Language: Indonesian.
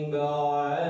apa yang kita lakukan